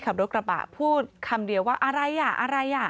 ขับรถกระบะพูดคำเดียวว่าอะไรอ่ะอะไรอ่ะ